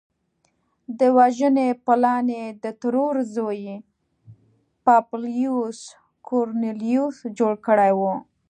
د وژنې پلان یې د ترور زوی پبلیوس کورنلیوس جوړ کړی و